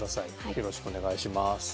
よろしくお願いします。